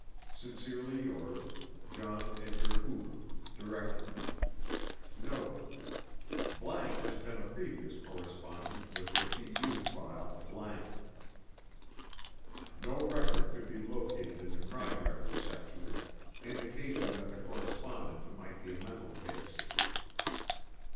Sincerely yours, John Edgar Hoover Director NOTE: ____ has been a previous correspondent with the Bu file ____. No record could be located in the Crime Records Section indication that the correspondent might be a mental case.